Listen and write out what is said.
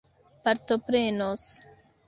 partoprenos